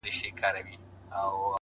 باران دی!! وريځ ده ستا سترگي پټې!!